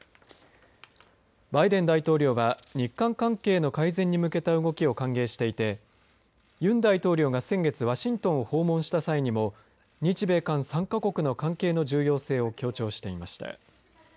バイデン大統領は日韓関係の改善に向けた動きを歓迎していてユン大統領が先月ワシントンを訪問した際にも日米韓３か国の関係の重要性を強調していました。